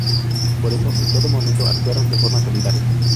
Por eso, en todo momento actuaron de forma solidaria.